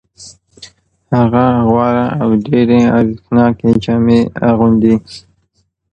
هغه غوره او ډېرې ارزښتناکې جامې اغوندي